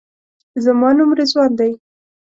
زما نوم رضوان دی.